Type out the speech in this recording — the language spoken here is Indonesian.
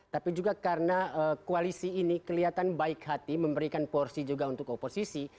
tapi juga karena koalisi ini kelihatan baik hati memberikan porsi juga untuk oposisi